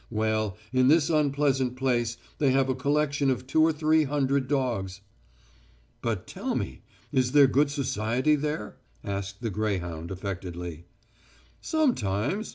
Well, in this unpleasant place they have a collection of two or three hundred dogs...." "But, tell me ... is there good society there?" asked the greyhound affectedly. "Sometimes.